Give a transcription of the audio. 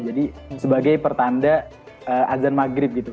jadi sebagai pertanda azan maghrib gitu